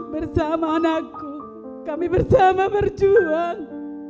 bersama anakku kami bersama berjuang